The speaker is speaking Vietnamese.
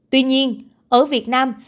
tuy nhiên ở việt nam